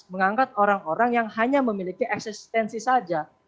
mengangkat orang orang yang hanya memiliki eksistensi saja